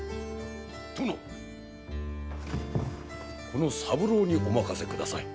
この三郎にお任せください。